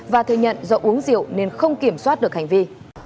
và thừa nhận do uống rượu nên không kiểm soát được hành vi